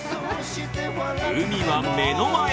海は目の前。